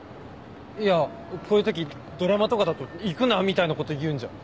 いやこういう時ドラマとかだと「行くな」みたいなこと言うんじゃ。